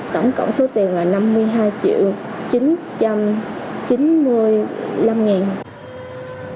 tổng cộng số tiền là năm mươi hai triệu chín trăm chín mươi năm ngàn